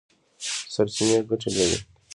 سرچینې ګټې لري.